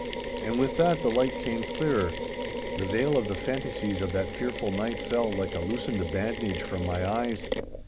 And with that the light came clearer. The veil of the fantasies of that fearful night fell like a loosened bandage from my eyes.